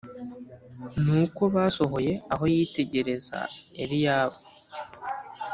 Nuko basohoye aho yitegereza Eliyabu